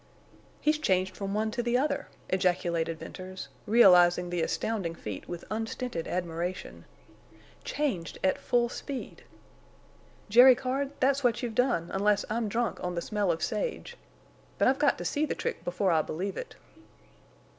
"He's changed from one to the other!" ejaculated Venters, realizing the astounding feat with unstinted admiration. "Changed at full speed! Jerry Card, that's what you've done unless I'm drunk on the smell of sage. But I've got to see the trick before I believe it."